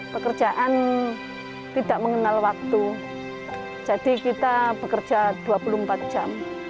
pekerjaan tidak mengenal waktu jadi kita bekerja dua puluh empat jam